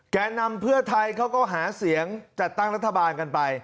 แก่นำเพื่อไทยเขาก็หาเสียงจัดตั้งรัฐบาลกันไป